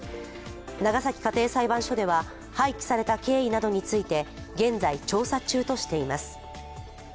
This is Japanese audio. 長崎家庭裁判所では廃棄された経緯などについて、現在調査中としています。